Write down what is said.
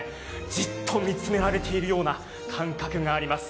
じっと見つめられているような感覚があります